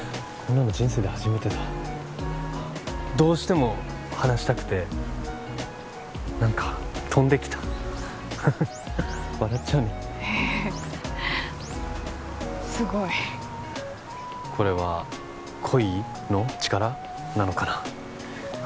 こんなの人生で初めてだどうしても話したくて何か飛んできた笑っちゃうねへすごいこれは恋の力なのかな？